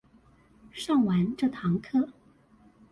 上完這堂課